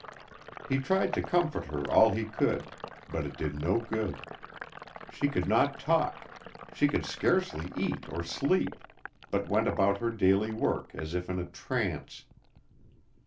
He tried to comfort her all he could; but it did no good. She could not talk; she could scarcely eat or sleep, but went about her daily work as if in a trance.